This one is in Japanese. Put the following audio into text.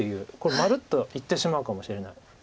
まるっといってしまうかもしれない。